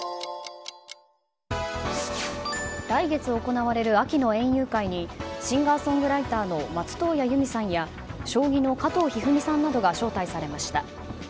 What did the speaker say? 来月行われる秋の園遊会にシンガーソングライターの松任谷由実さんや将棋の加藤一二三さんなどが招待されました。